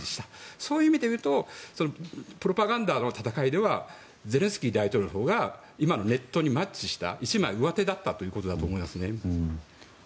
そういう意味でいうとプロパガンダの戦いではゼレンスキー大統領のほうが今のネットにマッチした一枚上手だったと思いますね。